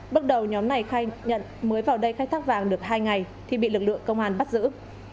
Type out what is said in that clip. bước đầu nhóm này khai nhận mới vào đây khai thác vàng được hai ngày thì bị lực lượng công an bắt giữ